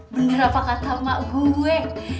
bener apa kata mak gue